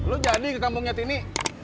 lo jadi ketemu nyat ini